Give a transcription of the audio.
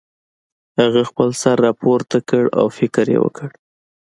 هغه خپل سر راپورته کړ او فکر یې وکړ